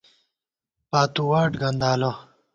پاتُوواٹ گندالہ